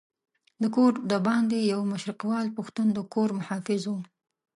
د کور دباندې یو مشرقیوال پښتون د کور محافظ وو.